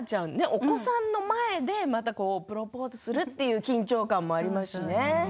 お子さんの前でプロポーズするという緊張感もありますしね。